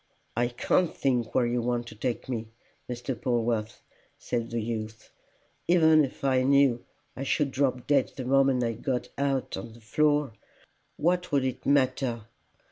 "I can't think where you want to take me, Mr. Polwarth!" said the youth. "Even if I knew I should drop dead the moment I got out on the floor, what would it matter!